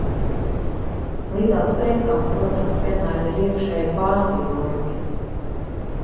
Līdzās priekam, protams, vienmēr ir iekšēji pārdzīvojumi.